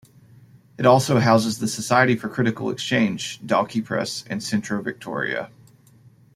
It also houses the Society for Critical Exchange, Dalkey Press and Centro Victoria.